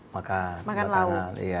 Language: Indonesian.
makan makan lauk